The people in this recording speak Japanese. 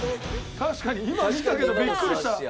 確かに今見たけどビックリした。